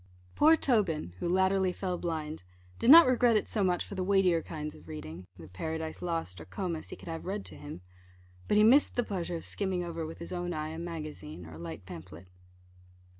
Poor Tobin, who latterly fell blind, did not regret it so much for the weightier kinds of reading the Paradise Lost, or Comus, he could have read to him but he missed the pleasure of skimming over with his own eye a magazine, or a light pamphlet.